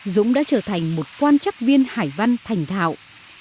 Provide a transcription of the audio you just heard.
dũng đã trở thành một quan chắc viên hải văn thành thạo